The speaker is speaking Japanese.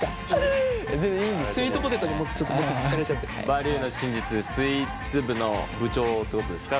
「バリューの真実」でスイーツ部の部長ってことですか？